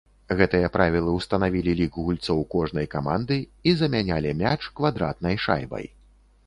Гэтыя правілы ўстанавілі лік гульцоў кожнай каманды і замянялі мяч квадратнай шайбай.